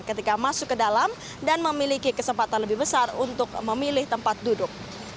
ketika masuk ke dalam dan memiliki kesempatan lebih besar untuk memilih tempat duduk